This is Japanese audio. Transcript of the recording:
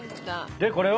でこれを。